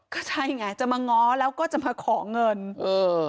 ก็ใช่ไงจะมาง้อแล้วก็จะมาขอเงินเออ